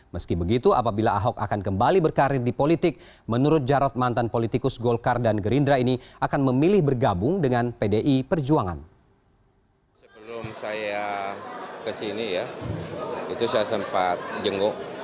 meski begitu apabila ahok akan kembali berkarir di politik menurut jarod mantan politikus golkar dan gerindra ini akan memilih bergabung dengan pdi perjuangan